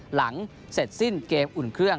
หลังเสร็จสิ้นเกมอุ่นเครื่อง